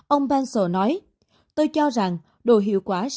ông pencil nói